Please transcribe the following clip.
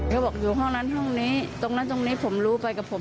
เขาบอกอยู่ห้องนั้นห้องนี้ตรงนั้นตรงนี้ผมรู้ไปกับผม